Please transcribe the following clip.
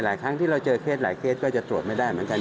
ครั้งที่เราเจอเคสหลายเคสก็จะตรวจไม่ได้เหมือนกัน